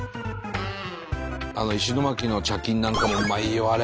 あの石巻のちゃきんなんかもうまいよあれ。